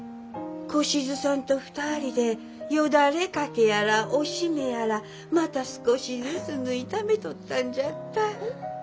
小しずさんと２人でよだれ掛けやらおしめやらまた少しずつ縫いためとったんじゃった。